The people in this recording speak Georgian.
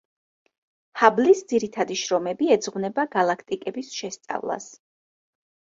ჰაბლის ძირითადი შრომები ეძღვნება გალაქტიკების შესწავლას.